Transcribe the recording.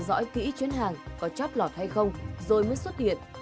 theo dõi kỹ chuyến hàng có chóp lọt hay không rồi mới xuất điện